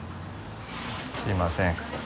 すいません。